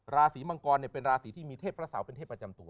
ราศีมังกรเป็นราศีที่มีเทพพระเสาเป็นเทพประจำตัว